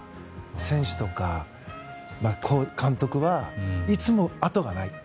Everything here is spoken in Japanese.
選手とか監督はいつもあとがない。